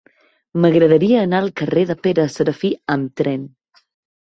M'agradaria anar al carrer de Pere Serafí amb tren.